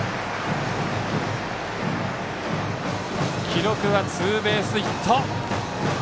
記録はツーベースヒット。